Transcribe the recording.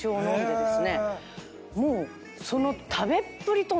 もうその。